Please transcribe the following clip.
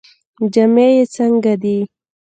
جامې یې څنګه دي؟